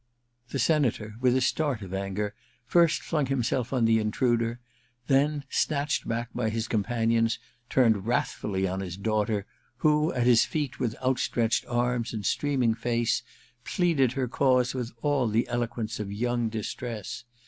The Senator, with a start of anger, first flung himself on the intruder ; then, snatched back by his companions, turned wrathfully on his daughter, who, at his feet, with outstretched arms and streaming face, pleaded her cause with all the eloquence or young distress.